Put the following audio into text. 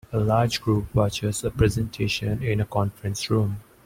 A large group watches a presentation in a conference room.